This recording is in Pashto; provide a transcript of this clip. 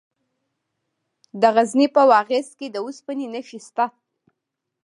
د غزني په واغظ کې د اوسپنې نښې شته.